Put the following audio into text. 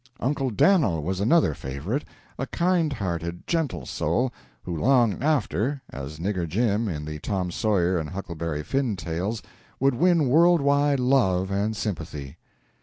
Uncle Dan'l was another favorite, a kind hearted, gentle soul, who long after, as Nigger Jim in the Tom Sawyer and Huckleberry Finn tales, would win world wide love and sympathy.